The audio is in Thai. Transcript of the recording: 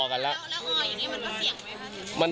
แล้วอออย่างนี้มันก็เสี่ยงไหมคะ